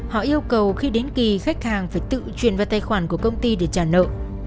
họ yêu cầu khi đến kỳ khách hàng phải tự truyền vào tài khoản của công ty để trả nợ